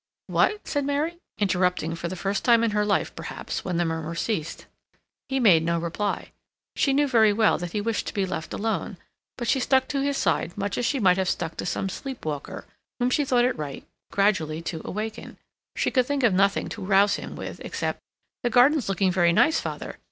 "What?" said Mary, interrupting, for the first time in her life, perhaps, when the murmur ceased. He made no reply. She knew very well that he wished to be left alone, but she stuck to his side much as she might have stuck to some sleep walker, whom she thought it right gradually to awaken. She could think of nothing to rouse him with except: "The garden's looking very nice, father."